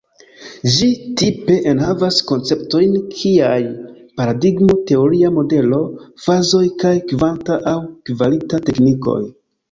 Ĝi, tipe, enhavas konceptojn kiaj paradigmo, teoria modelo, fazoj kaj kvanta aŭ kvalita teknikoj.